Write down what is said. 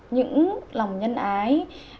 những lòng nhân ái